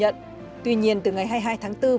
út tính bốn trăm sáu mươi chín tỷ đồng